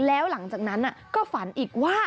แล้วหลังจากนั้นก็ฝันอีกว่า